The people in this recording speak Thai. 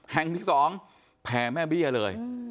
แห่งที่๒แผ่แม่เบี้ยเลย